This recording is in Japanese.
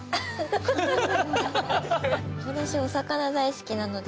私お魚大好きなので。